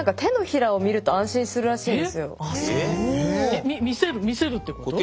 何か人間見せる見せるってこと？